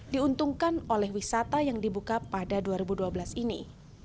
diuntungkan oleh wisata yang dibuka pada dua ribu dua belas ini